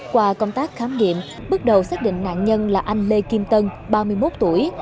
qua công tác khám nghiệm bước đầu xác định nạn nhân là anh lê kim tân ba mươi một tuổi